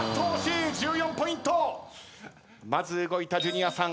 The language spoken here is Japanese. まず動いたジュニアさん。